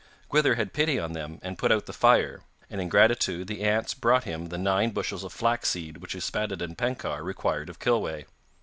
Gwythyr had pity on them, and put out the fire, and in gratitude the ants brought him the nine bushels of flax seed which Yspaddaden Penkawr required of Kilweh.